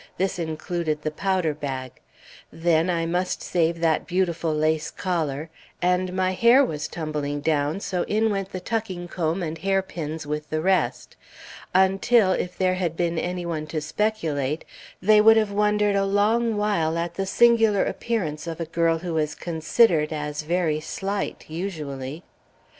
This included the powder bag; then I must save that beautiful lace collar; and my hair was tumbling down, so in went the tucking comb and hair pins with the rest; until, if there had been any one to speculate, they would have wondered a long while at the singular appearance of a girl who is considered as very slight, usually.